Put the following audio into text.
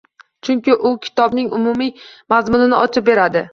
Chunki u kitobning umumiy mazmunini ochib beradi.